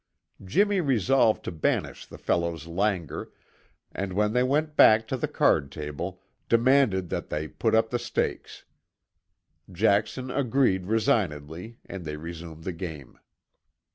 Jimmy resolved to banish the fellow's languor, and when they went back to the card table demanded that they put up the stakes. Jackson agreed resignedly, and they resumed the game.